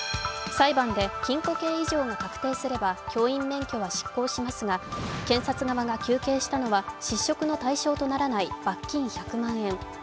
裁判で禁錮刑以上が確定すれば教員免許は失効しますが、検察側が求刑したのは失職の対象とならない罰金１００万円。